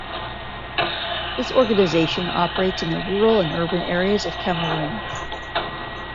This organisation operates in the rural and urban areas of Cameroon.